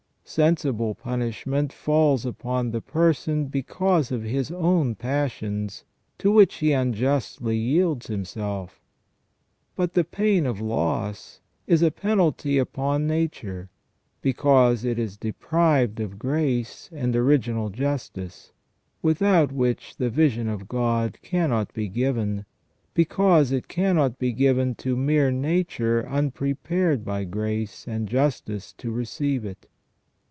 Sensible punishment falls upon the person because of his own passions, to which he unjustly yields himself; but the pain of loss is a penalty upon nature because it is deprived of grace and original justice, without which the vision of God cannot be given, because it cannot be given to mere nature unprepared by grace and justice to receive it.